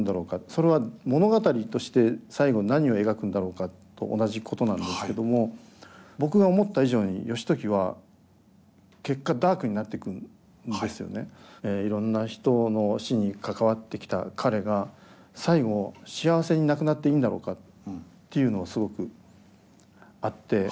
それは物語として最後に何を描くんだろうかと同じことなんですけども僕が思った以上に義時はいろんな人の死に関わってきた彼が最期幸せに亡くなっていいんだろうかっていうのをすごくあって。